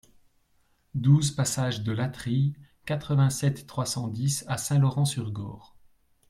douze passage de Latterie, quatre-vingt-sept, trois cent dix à Saint-Laurent-sur-Gorre